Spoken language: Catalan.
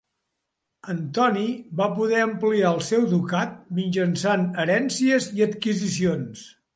Antoni va poder ampliar el seu ducat mitjançant herències i adquisicions.